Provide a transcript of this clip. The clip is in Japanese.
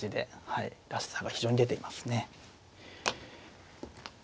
らしさが非常に出ていますね。